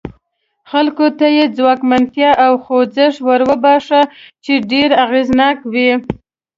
خلکو ته یې ځواکمنتیا او خوځښت وروباښه چې ډېر اغېزناک و.